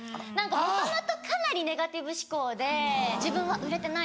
もともとかなりネガティブ思考で「自分は売れてない」とか。